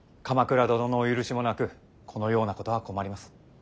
鎌倉殿のお許しもなくこのようなことは困ります。